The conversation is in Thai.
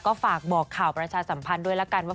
ก็ฝากบอกข่าวประชาสัมพันธ์ด้วยละกันว่า